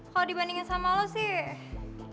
kalau dibandingin sama lo sih